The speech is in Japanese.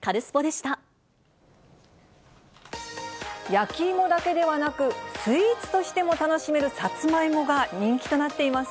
焼き芋だけではなく、スイーツとしても楽しめるサツマイモが人気となっています。